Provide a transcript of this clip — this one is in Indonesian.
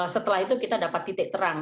setelah itu kita dapat titik terang